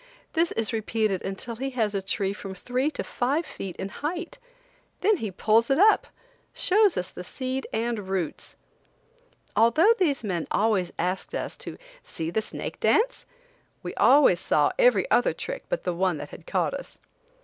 This is repeated until he has a tree from three to five feet in height. Then he pulls it up, shows us the seed and roots. Although these men always asked us to "See the snake dance?" we always saw every other trick but the one that had caught us.